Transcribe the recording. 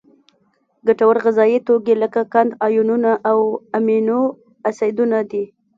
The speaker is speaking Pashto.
ګټور غذایي توکي لکه قند، آیونونه او امینو اسیدونه دي.